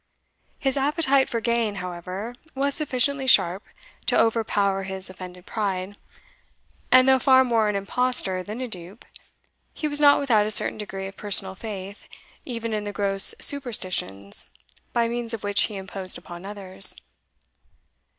His appetite for gain, however, was sufficiently sharp to overpower his offended pride, and though far more an impostor than a dupe, he was not without a certain degree of personal faith even in the gross superstitions by means of which he imposed upon others.